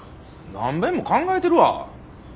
何べんも考えてるわ！